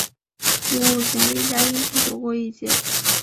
卢武铉一家因此躲过一劫。